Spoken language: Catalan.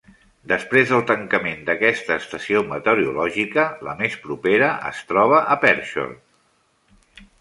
Després del tancament d'aquesta estació meteorològica, la més propera es troba a Pershore.